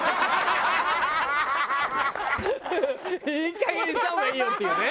いいかげんにした方がいいよっていうね。